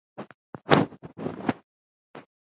کمزوري خلک باید له زورورو سره ټکر ونه کړي.